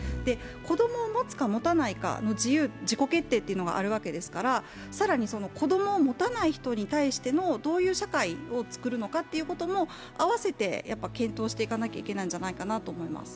子供を持つか持たないか、自己決定というのがあるわけですから更に子供を持たない人に対してのどういう社会を作るのかということも併せて検討していかなきゃいけないんじゃないかと思います。